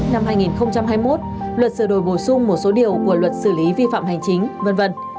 năm hai nghìn hai mươi một luật sửa đổi bổ sung một số điều của luật xử lý vi phạm hành chính v v